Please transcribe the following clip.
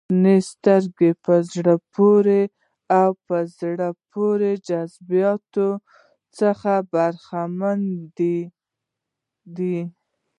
• شنې سترګې د په زړه پورې او په زړه پورې جذابیت څخه برخمنې دي.